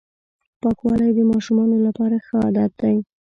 پاکوالی د ماشومانو لپاره ښه عادت دی.